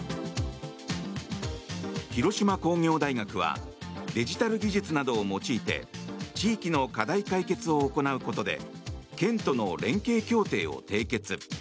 広島工業大学はデジタル技術などを用いて地域の課題解決を行うことで県との連携協定を締結。